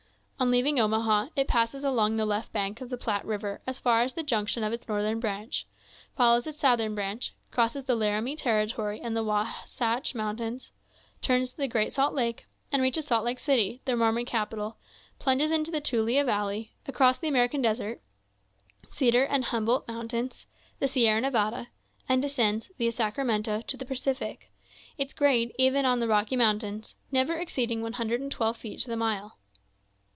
On leaving Omaha, it passes along the left bank of the Platte River as far as the junction of its northern branch, follows its southern branch, crosses the Laramie territory and the Wahsatch Mountains, turns the Great Salt Lake, and reaches Salt Lake City, the Mormon capital, plunges into the Tuilla Valley, across the American Desert, Cedar and Humboldt Mountains, the Sierra Nevada, and descends, viâ Sacramento, to the Pacific—its grade, even on the Rocky Mountains, never exceeding one hundred and twelve feet to the mile.